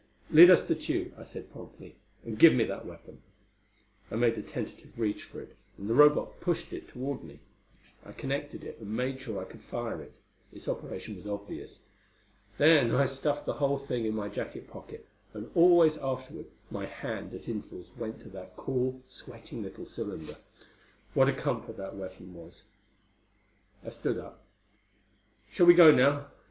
"Lead us to Tugh," I said promptly. "And give me that weapon." I made a tentative reach for it, and the Robot pushed it toward me. I connected it and made sure I could fire it: its operation was obvious. Then I stuffed the whole thing in my jacket pocket; and always afterward my hand at intervals went to that cool, sweating little cylinder. What a comfort that weapon was! I stood up. "Shall we go now?